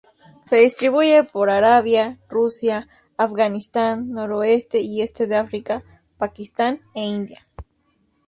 Se distribuye por Arabia, Rusia, Afganistán, noreste y este de África, Pakistán e India.